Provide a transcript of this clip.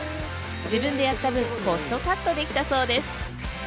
自分でやった分、コストカットできたそうです。